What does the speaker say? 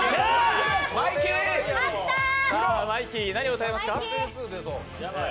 マイキー、何を歌いますか？